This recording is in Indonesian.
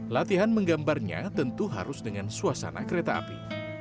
latihan menggambarnya tentu harus dengan suasana kereta api